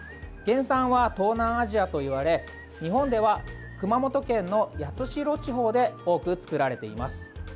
原産は東南アジアといわれ日本では、熊本県の八代地方で多く作られています。